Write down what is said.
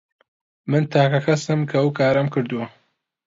من تاکە کەسم کە ئەو کارەم کردووە.